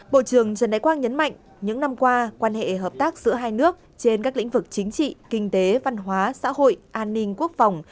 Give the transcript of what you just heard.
bộ trưởng trần đại quang nhấn mạnh những năm qua quan hệ hợp tác giữa hai nước trên các lĩnh vực chính trị kinh tế văn hóa xã hội an ninh quốc phòng